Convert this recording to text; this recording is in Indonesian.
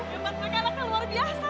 ya makanya anaknya luar biasa